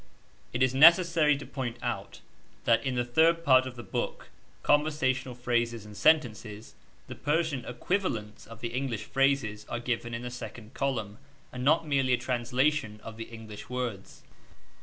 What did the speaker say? It is necessary to point out that in the third part of the book, "Conversational Phrases and Sentences," the Persian equivalents of the English phrases are given in the second column, and not merely a translation of the English words.